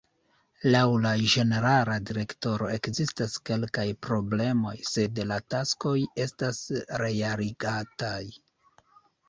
Laŭ la ĝenerala direktoro ekzistas kelkaj problemoj, sed la taskoj estas realigataj.